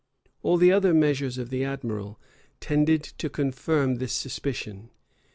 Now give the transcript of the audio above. All the other measures of the admiral tended to confirm this suspicion.